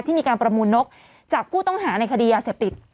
มีการประมูลนกจากผู้ต้องหาในคดียาเสพติด